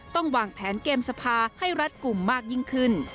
ต้องวางแผนเกมสภาให้รัดกลุ่มมากยิ่งขึ้น